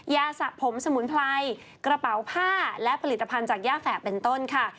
สะผมสมุนไพรกระเป๋าผ้าและผลิตภัณฑ์จากย่าแฝกเป็นต้นค่ะ